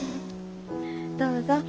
どうぞ。